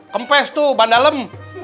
kempes tuh bandalem